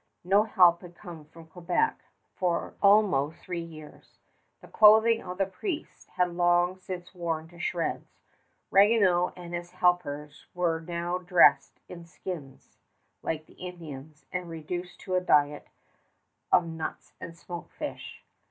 No help had come from Quebec for almost three years. The clothing of the priests had long since worn to shreds. Ragueneau and his helpers were now dressed in skins like the Indians, and reduced to a diet of nuts and smoked fish.